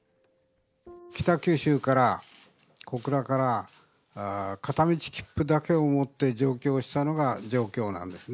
北九州から、小倉から、片道切符だけを持って上京したのが上京なんですね。